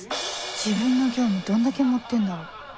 自分の業務どんだけ盛ってんだろう